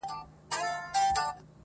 په نارو به یې خبر سمه او غر سو -